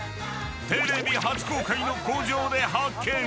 テレビ初公開の工場で発見。